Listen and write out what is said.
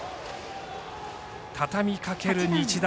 たたみかける日大